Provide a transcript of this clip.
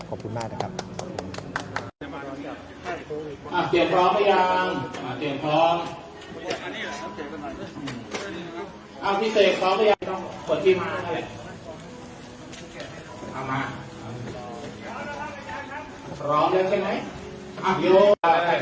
ขอบคุณมากนะครับ